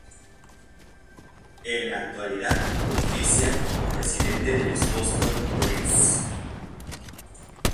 En la actualidad oficia como presidente de los Boston Bruins.